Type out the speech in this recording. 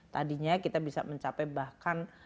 tadinya kita bisa mencapai bahkan